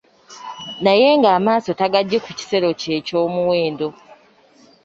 Naye ng'amaaso tagaggye ku kisero kye eky'omuwendo.